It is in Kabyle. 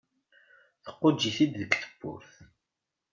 Tquǧǧ-it-id deg tewwurt.